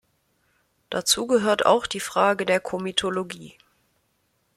Dazu gehört auch die Frage der Komitologie.